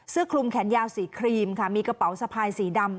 คลุมแขนยาวสีครีมค่ะมีกระเป๋าสะพายสีดำ